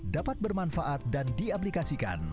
dapat bermanfaat dan diaplikasikan